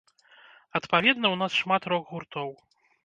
Адпаведна, у нас шмат рок-гуртоў.